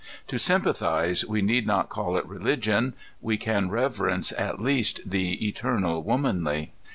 To sympathize, we need not call it religion: we can reverence at least the Eternal Womanly.